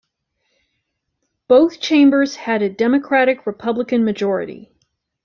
Both chambers had a Democratic-Republican majority.